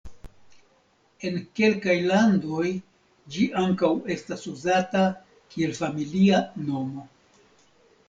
En kelkaj landoj ĝi ankaŭ estas uzata kiel familia nomo.